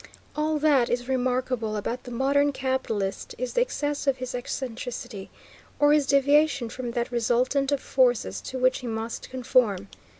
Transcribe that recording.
All that is remarkable about the modern capitalist is the excess of his excentricity, or his deviation from that resultant of forces to which he must conform.